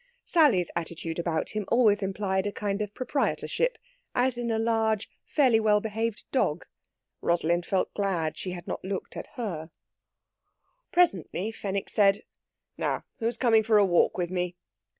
Sally's attitude about him always implied a kind of proprietorship, as in a large, fairly well behaved dog. Rosalind felt glad she had not looked at her. Presently Fenwick said: "Now, who's coming for a walk with me?"